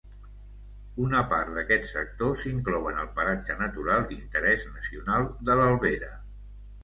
Una part d'aquest sector s'inclou en el Paratge Natural d'Interès Nacional de l'Albera.